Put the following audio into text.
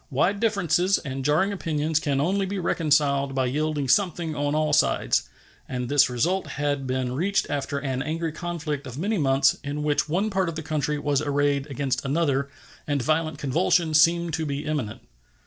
Wide differences and jarring opinions can only be reconciled by yielding something on all sides, and this result had been reached after an angry conflict of many months, in which one part of the country was arrayed against another, and violent convulsion seemed to be imminent.